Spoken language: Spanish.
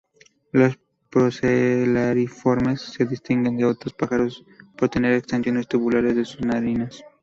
Los Procellariiformes se distinguen de otros pájaros por tener extensiones tubulares de sus narinas.